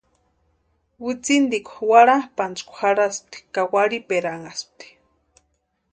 Witsintekwa warhapʼantsïkwa jarhaspti ka warhiperanhaspti.